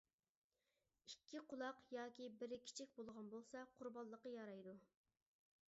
ئىككى قۇلاق ياكى بىرى كىچىك بولغان بولسا، قۇربانلىققا يارايدۇ.